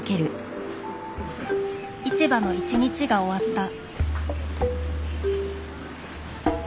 市場の一日が終わった。